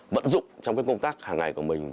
vận dụng trong cái công tác hàng ngày của mình